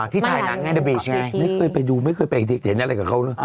ที่ถ่ายหนังแห้งดะบีใช่ไหมครับพิธีไม่เคยไปดูไม่เคยไปเห็นอะไรกับเขา